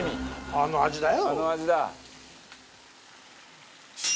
あの味だよ！